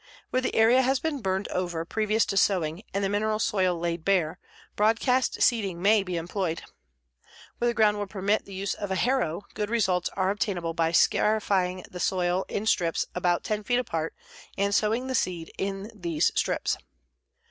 Where the area has been burned over previous to sowing and the mineral soil laid bare, broadcast seeding may be employed. Where the ground will permit the use of a harrow good results are obtainable by scarifying the soil in strips about 10 feet apart and sowing the seed in these strips.